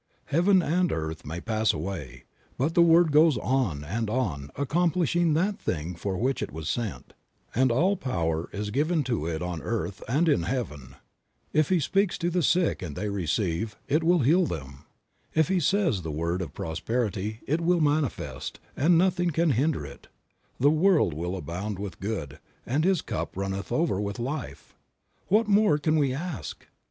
Heaven and earth may pass away, but the word goes on and on accomplishing that thing for which it was sent; and all power is given to it on earth and in heaven. If he speaks to the sick and they receive, it will heal them. If he says the word of prosperity it will manifest, and nothing can hinder it; the world will abound with good, and his cup run over with life. What more can we ask!